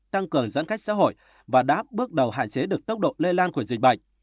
tăng cường giãn cách xã hội và đã bước đầu hạn chế được tốc độ lây lan của dịch bệnh